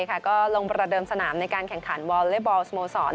ก็ลงประเดิมสนามในการแข่งขันวอลเล็บบอลสโมสร